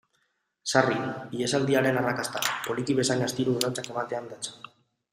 Sarri, ihesaldiaren arrakasta, poliki bezain astiro urratsak ematean datza.